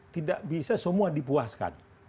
tidak bisa semua dipuaskan